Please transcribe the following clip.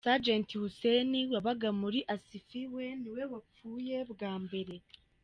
Sgt Hussen wabaga muri Asifiwe niwe wapfuye bwa mbere.